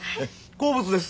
好物です